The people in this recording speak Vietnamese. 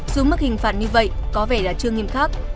dù mức hình phạt như vậy có vẻ là chưa nghiêm khắc